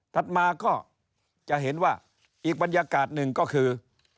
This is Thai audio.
ถัดมาก็จะเห็นว่าอีกบรรยากาศหนึ่งก็คือ